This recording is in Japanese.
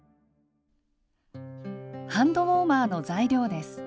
ハンドウォーマーの材料です。